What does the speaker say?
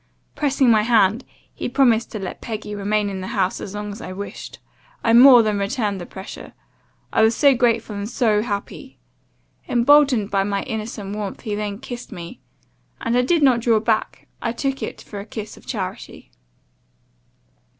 Pressing my hand, he promised to let Peggy remain in the house as long as I wished. I more than returned the pressure I was so grateful and so happy. Emboldened by my innocent warmth, he then kissed me and I did not draw back I took it for a kiss of charity.